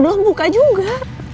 belum buka juga